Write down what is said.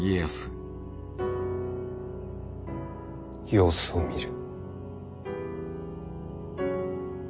・様子を見る。